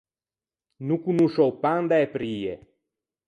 No conosce o pan da-e prie.